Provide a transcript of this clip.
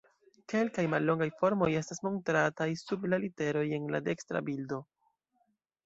Kelkaj mallongaj formoj estas montrataj sub la literoj en la dekstra bildo.